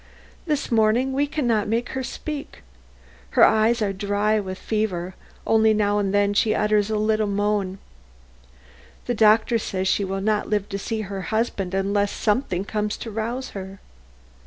This morning we can not make her speak. Her eyes are dry with fever; only now and then she utters a little moan. The doctor says she will not live to see her husband, unless something comes to rouse her.